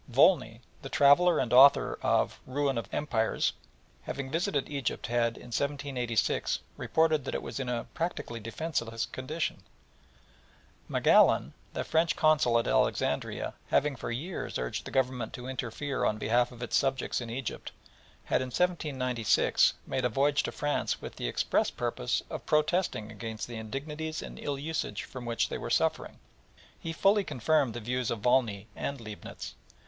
Volney, the traveller and author of the "Ruins of Empires," having visited Egypt had, in 1786, reported that it was in a practically defenceless condition, and Magallon, the French Consul at Alexandria, having for years urged the Government to interfere on behalf of its subjects in Egypt, had, in 1796, made a voyage to France with the express purpose of protesting against the indignities and ill usage from which they were suffering, and fully confirmed the views of Volney and Leibnitz.